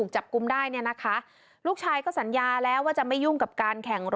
ผมก็เดิน